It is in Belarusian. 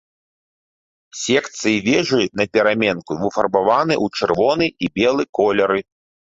Секцыі вежы напераменку выфарбаваны ў чырвоны і белы колеры.